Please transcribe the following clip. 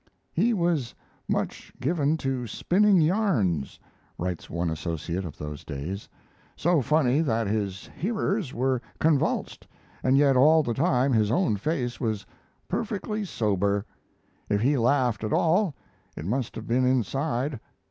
He was much given to spinning yarns [writes one associate of those days] so funny that his hearers were convulsed, and yet all the time his own face was perfectly sober. If he laughed at all, it must have been inside.